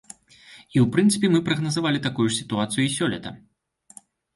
І, у прынцыпе, мы прагназавалі такую ж сітуацыю і сёлета.